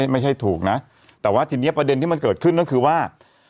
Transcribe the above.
ไม่ใช่ถูกนะแต่ว่าทีนี้ประเด็นที่มันเกิดขึ้นก็คือว่า